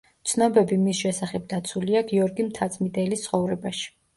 ცნობები მის შესახებ დაცულია „გიორგი მთაწმიდელის ცხოვრებაში“.